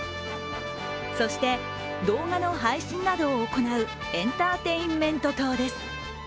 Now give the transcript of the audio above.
そして、動画の配信などを行うエンターテインメント棟です。